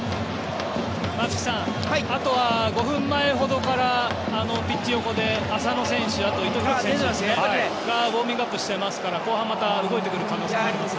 松木さんあとは５分ほど前から浅野選手たちがウォーミングアップしていますから後半動いてくる可能性があります。